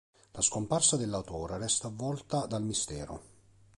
La scomparsa dell'autore resta avvolta dal mistero.